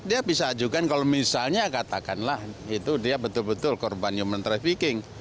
dia bisa ajukan kalau misalnya katakanlah itu dia betul betul korban human trafficking